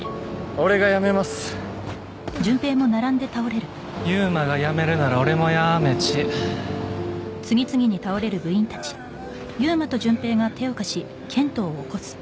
俺が辞めますああ悠馬が辞めるなら俺も辞ーめちああー